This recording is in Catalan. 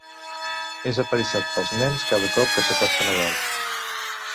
És apallissat pels nens cada cop que s'acosta Nadal.